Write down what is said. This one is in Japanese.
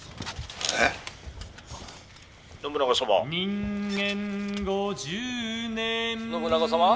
「人間五十年」「信長様？」。